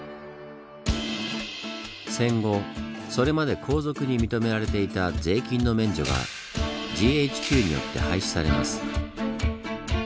戦後それまで皇族に認められていた税金の免除がＧＨＱによって廃止されます。